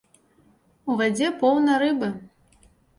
У вадзе поўна рыбы.